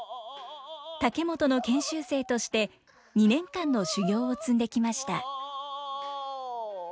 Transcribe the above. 竹本の研修生として２年間の修業を積んできました。